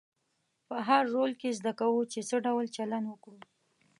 په هر رول کې زده کوو چې څه ډول چلند وکړو.